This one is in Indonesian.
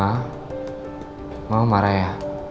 ma mau marah ya